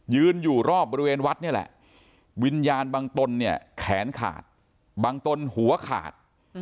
ยืนอยู่รอบบริเวณวัดนี่แหละวิญญาณบางตนเนี่ยแขนขาดบางตนหัวขาด